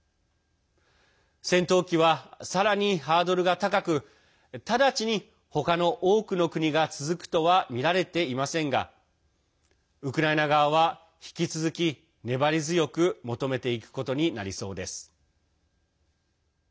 戦闘機は、さらにハードルが高く直ちに他の多くの国が続くとはみられていませんがウクライナ側は引き続き粘り強く求めていくことになりそうです。